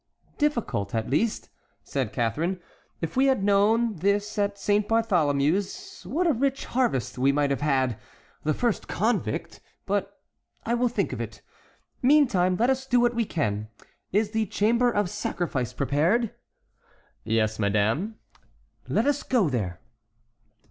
"Difficult, at least," said Catharine; "if we had known this at Saint Bartholomew's, what a rich harvest we might have had—The first convict—but I will think of it. Meantime, let us do what we can. Is the chamber of sacrifice prepared?" "Yes, madame." "Let us go there."